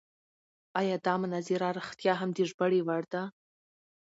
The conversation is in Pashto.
ایا دا مناظره رښتیا هم د ژباړې وړ ده؟